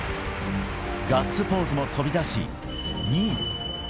ガッツポーズもとび出し、２位。